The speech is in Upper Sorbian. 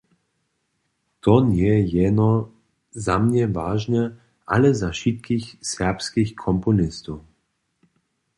To njeje jeno za mnje wažne, ale za wšitkich serbskich komponistow.